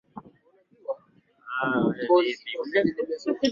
mchana chakula cha jioni au chai tu itakuwa